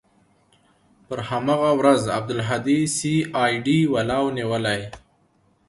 پر هماغه ورځ عبدالهادي سي آى ډي والاو نيولى.